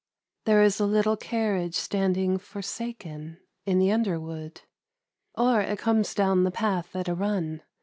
There is .1 little carriage standing forsaken in the under wood; or it (Dines down the path at a run.